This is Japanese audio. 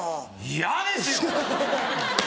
嫌ですよ！